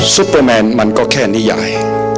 ซุปเปอร์แมนมันก็แค่นิยาย